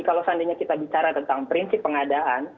kalau seandainya kita bicara tentang prinsip pengadaan